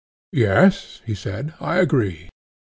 Yes, he said, I agree.